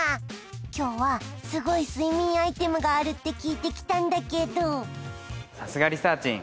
今日はすごい睡眠アイテムがあるって聞いてきたんだけどさすがリサーちん